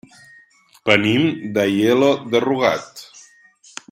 Venim d'Aielo de Rugat.